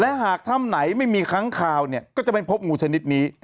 และหากถ้ำไหนไม่มีค้างคาวเนี่ยก็จะไม่พบงูชนิดนี้